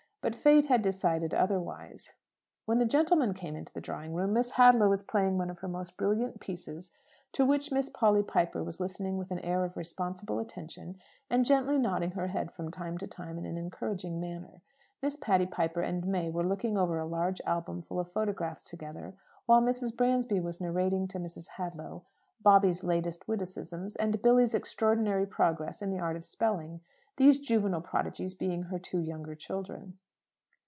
But Fate had decided otherwise. When the gentlemen came into the drawing room, Miss Hadlow was playing one of her most brilliant pieces, to which Miss Polly Piper was listening with an air of responsible attention, and gently nodding her head from time to time in an encouraging manner; Miss Patty Piper and May were looking over a large album full of photographs together; while Mrs. Bransby was narrating to Mrs. Hadlow, Bobby's latest witticisms, and Billy's extraordinary progress in the art of spelling: these juvenile prodigies being her two younger children.